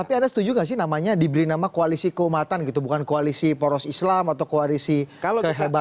tapi anda setuju nggak sih namanya diberi nama koalisi keumatan gitu bukan koalisi poros islam atau koalisi kehebatan